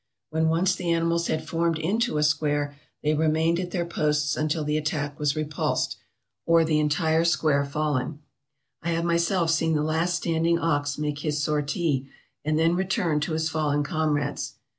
When once the animals had formed into a square, they MISCELLANEOUS 497 remained at their posts until the attack was repulsed, or the entire square fallen. I have myself seen the last standing ox make his sortie and then return to his fallen comrades.